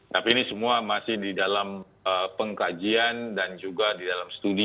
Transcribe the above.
tapi ini semua masih di dalam pengkajian dan juga di dalam studi